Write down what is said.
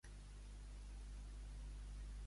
La bastina sempre agreja.